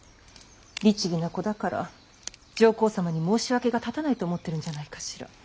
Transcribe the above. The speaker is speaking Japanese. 律儀な子だから上皇様に申し訳が立たないと思ってるんじゃないかしら。